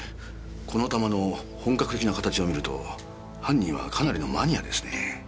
この弾の本格的な形をみると犯人はかなりのマニアですね。